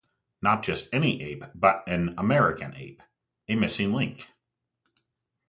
Not just any Ape, but an 'American' Ape-a 'Missing Link'!